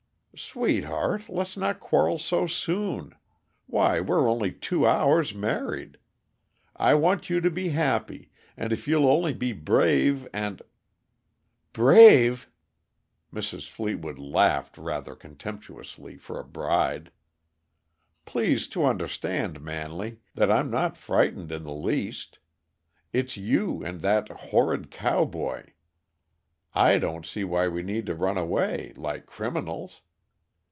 "Sweetheart, let's not quarrel so soon why, we're only two hours married! I want you to be happy, and if you'll only be brave and " "Brave!" Mrs. Fleetwood laughed rather contemptuously, for a bride. "Please to understand, Manley, that I'm not frightened in the least. It's you and that horrid cowboy I don't see why we need run away, like criminals.